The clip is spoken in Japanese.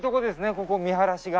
ここ見晴らしが。